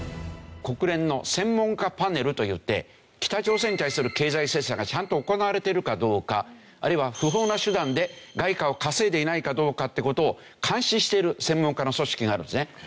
国連の専門家パネルといって北朝鮮に対する経済制裁がちゃんと行われているかどうかあるいは不法な手段で外貨を稼いでいないかどうかって事を監視している専門家の組織があるんですね。